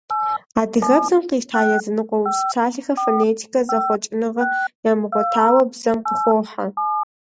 Адыгэбзэм къищта языныкъуэ урыс псалъэхэр фонетикэ зэхъуэкӏыныгъэ ямыгъуэтауэ бзэм къыхохьэ.